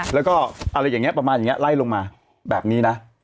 แล้วก็อะไรอย่างนี้ประมาณอย่างนี้ไล่ลงมาแบบนี้นะ